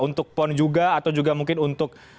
untuk pon juga atau juga mungkin untuk